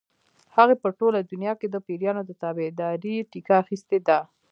هغې په ټوله دنیا کې د پیریانو د تابعدارۍ ټیکه اخیستې ده.